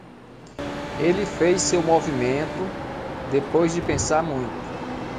Ele fez seu movimento, depois de pensar muito